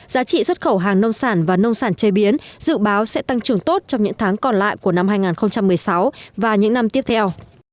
giá trị xuất khẩu hàng nông sản và nông sản chế biến dự báo sẽ tăng trưởng tốt trong những tháng còn lại của năm hai nghìn một mươi sáu và những năm tiếp theo